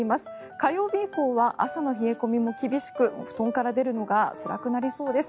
火曜日以降は朝の冷え込みも厳しく布団から出るのがつらくなりそうです。